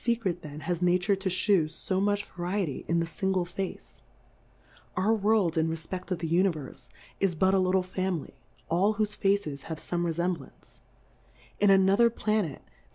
cret then has Nature to fhew fo much f Variety in the fingle Face ? Our World in refpeft of die Qniverfe, is but a lit tle Familv ; all whofe Faces have fome Rcfemblance ; in another Planet, there \ is ^ Plurality